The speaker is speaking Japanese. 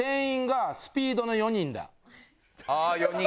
ああ４人。